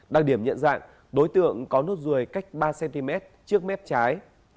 đặc điểm nhận dạng đối tượng có nốt ruồi cách ba cm trước mép trái